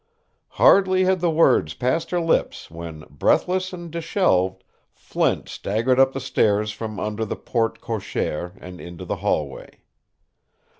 Hardly had the words passed her lips when, breathless and disheveled, Flint staggered up the stairs from under the porte cochère and into the hallway.